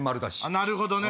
なるほどね。